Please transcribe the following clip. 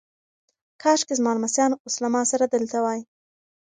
کاشکي زما لمسیان اوس له ما سره دلته وای.